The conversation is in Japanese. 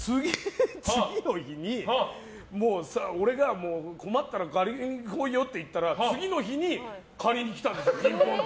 俺が困ったら借りに来いよって言ったら次の日に借りに来たんですよ。